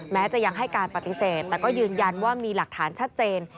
แม้จะยังให้การปฏิเสธแต่ก็ยืนยันว่ามีหลักฐานชัดเจน